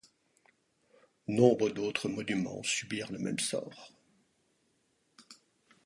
Nombre d’autres monuments subirent le même sort.